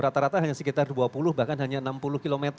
rata rata hanya sekitar dua puluh bahkan hanya enam puluh km